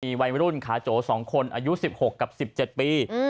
มีวัยรุ่นขาโจ๒คนอายุ๑๖กับ๑๗ปี